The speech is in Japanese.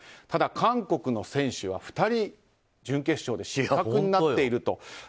ただ、韓国の選手は２人準決勝で失格になっていると。